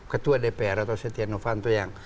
ketua dpr atau sjanovanto yang